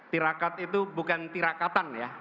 tirakat itu bukan tirakatan ya